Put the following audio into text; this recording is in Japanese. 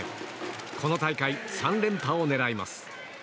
この大会３連覇を狙います。